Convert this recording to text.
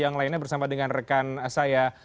yang lainnya bersama dengan rekan saya